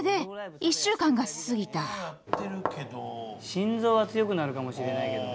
心臓は強くなるかもしれないけど。